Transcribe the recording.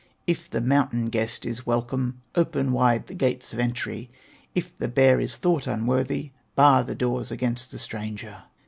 If the mountain guest is welcome, Open wide the gates of entry; If the bear is thought unworthy, Bar the doors against the stranger."